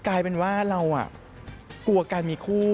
กลายเป็นว่าเรากลัวการมีคู่